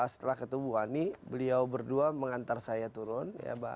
setelah ketemu ani beliau berdua mengantar saya turun